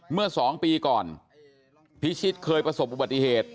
เมื่อ๒ปีก่อนพี่ชิดเคยประสบบปฏิเหตุ